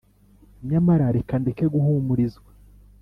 nyamara reka ndeke guhumurizwa: